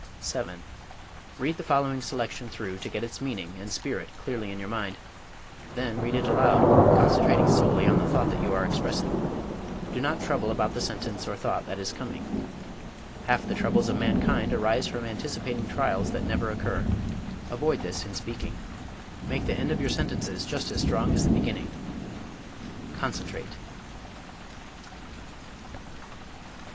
7. Read the following selection through to get its meaning and spirit clearly in your mind. Then read it aloud, concentrating solely on the thought that you are expressing do not trouble about the sentence or thought that is coming. Half the troubles of mankind arise from anticipating trials that never occur. Avoid this in speaking. Make the end of your sentences just as strong as the beginning. _CONCENTRATE.